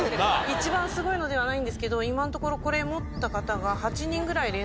一番すごいのではないんですけど今のところ。えっ！